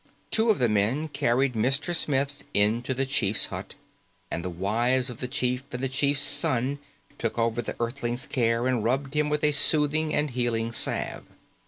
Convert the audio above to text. Two of the men carried Mr. Smith into the chief's hut, and the wives of the chief and the chief's son took over the Earthling's care, and rubbed him with a soothing and healing salve.